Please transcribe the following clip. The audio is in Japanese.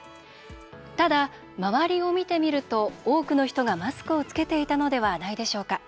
ただ、周りを見てみると多くの人がマスクをつけていたのではないでしょうか。